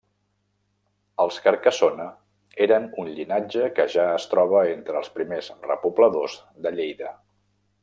Els Carcassona eren un llinatge que ja es troba entre els primers repobladors de Lleida.